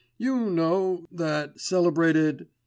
You know ... that ... celebrated....